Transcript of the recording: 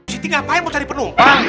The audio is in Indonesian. siti ngapain mau cari penumpang